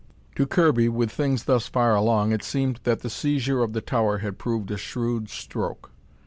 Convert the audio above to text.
To Kirby, with things thus far along, it seemed that the seizure of the tower had proved a shrewd stroke.